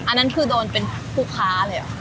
อันนั้นคือโดนเป็นผู้ค้าเลยเหรอ